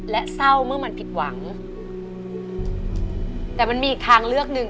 และเศร้าเมื่อมันผิดหวังแต่มันมีอีกทางเลือกหนึ่ง